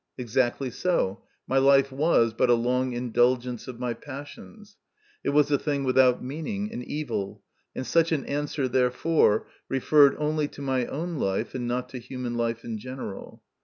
Exactly so, my life was but a long indulgence of my passions ; it was a thing without meaning, an evil ; and such an answer, therefore, referred only to my own life, and not to human life in general.